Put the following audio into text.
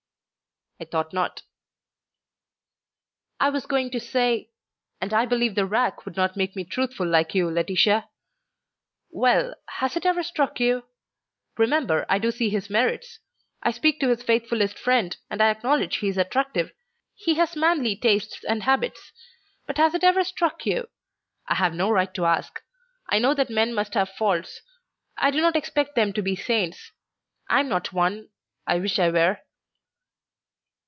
"I thought not." "I was going to say and I believe the rack would not make me truthful like you, Laetitia well, has it ever struck you: remember, I do see his merits; I speak to his faithfullest friend, and I acknowledge he is attractive, he has manly tastes and habits; but has it never struck you ... I have no right to ask; I know that men must have faults, I do not expect them to be saints; I am not one; I wish I were."